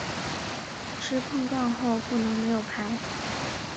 吃碰杠后不能没有牌。